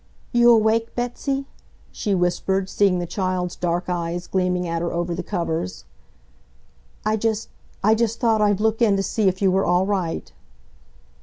"You awake, Betsy?" she whispered, seeing the child's dark eyes gleaming at her over the covers. "I just—I just thought I'd look in to see if you were all right."